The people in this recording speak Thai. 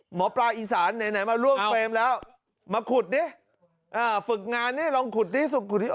หมอปลาอีสานไหนมาร่วงเฟรมแล้วมาขุดนี่ฝึกงานนี่ลองขุดนี่สุดขุดนี่